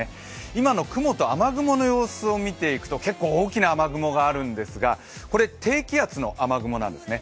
今の雲と雨雲の様子を見ていくと結構大きな雨雲があるんですが低気圧の雨雲なんですね。